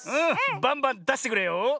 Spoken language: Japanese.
バンバンだしてくれよ。